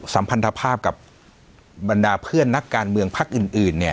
สัมพันธภาพกับบรรดาเพื่อนนักการเมืองพักอื่น